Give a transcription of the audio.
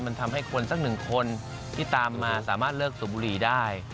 มันทำให้คนสักหนึ่งคนที่ตามมาสามารถเลิกสูบบุหรี่ได้